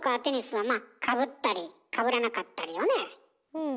うん。